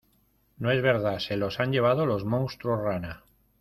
no es verdad. se los han llevado los monstruos rana